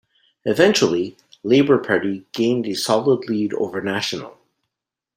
Eventually, Labour Party gained a solid lead over National.